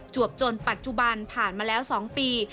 วบจนปัจจุบันผ่านมาแล้ว๒ปี